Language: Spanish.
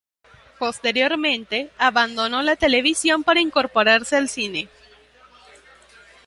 Posteriormente, abandonó la televisión para incorporarse al cine.